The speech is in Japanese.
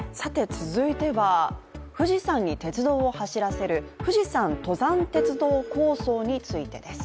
続いては、富士山に鉄道を走らせる富士山登山鉄道構想についてです。